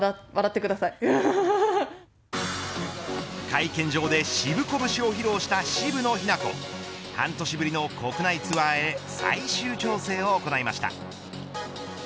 会見場でシブコ節を披露した渋野日向子半年ぶりの国内ツアーへ最終調整を行いました。